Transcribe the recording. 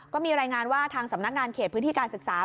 ก็มีรายงานว่าทางสำนักงานเขตพื้นที่การศึกษา